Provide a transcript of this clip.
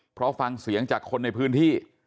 เพราะฟังเสียงจากคนในพื้นที่